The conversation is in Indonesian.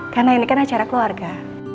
karena ini kan acara keluarga